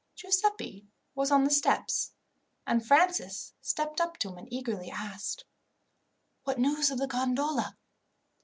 Giuseppi was on the steps, and Francis stepped up to him and eagerly asked, "What news of the gondola?"